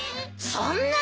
そんな！